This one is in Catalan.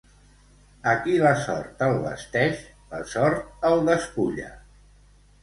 A qui la sort el vesteix, la sort el despulla.